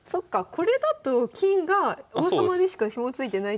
これだと金が王様にしかヒモついてないけど。